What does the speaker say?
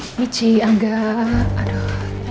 hai mieci angga aduh